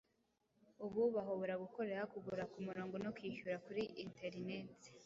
ubu bahobora gukoreha kugura kumurongo no kwihyura kuri interineti